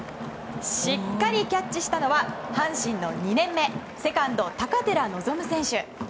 しっかりキャッチしたのは阪神の２年目セカンド、高寺望夢選手。